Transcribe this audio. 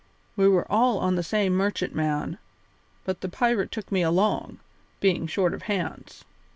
We were all on the same merchantman, but the pirate took me along, being short of hands.